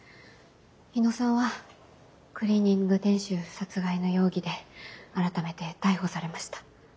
日野さんはクリーニング店主殺害の容疑で改めて逮捕されました。